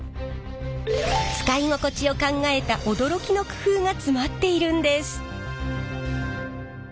使い心地を考えた驚きの工夫が詰まっているんです！